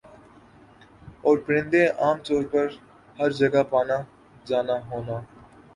اورپرندے عام طور پر ہَر جگہ پانا جانا ہونا